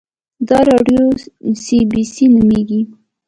دا راډیو سي بي سي نومیږي